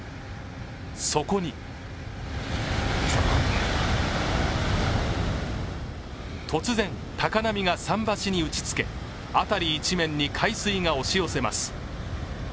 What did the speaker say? そこに突然、高波が桟橋に打ちつけ辺り一面に海水が押し寄せます。